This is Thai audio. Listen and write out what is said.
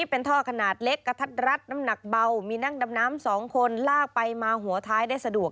เป็นท่อขนาดเล็กกระทัดรัดน้ำหนักเบามีนั่งดำน้ำสองคนลากไปมาหัวท้ายได้สะดวก